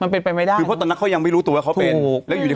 มันเป็นไปไม่ได้คือเพราะตอนนั้นเขายังไม่รู้ตัวว่าเขาเป็นถูก